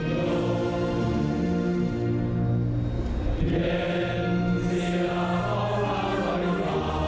เย็นสิระเพราะพระบริบาล